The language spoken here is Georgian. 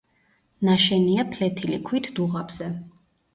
ნაშენია ფლეთილი ქვით დუღაბზე.